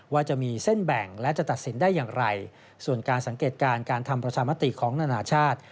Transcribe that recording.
ว่าจะมีเส้นแบ่งและจะตัดสินได้อย่างไรส่วนการสังเกตการณ์การทำประชามติของนานาชาติ